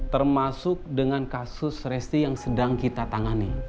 termasuk dengan kasus resti yang sedang kita tangani